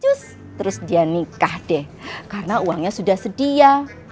terus dia nikah deh karena uangnya sudah sedia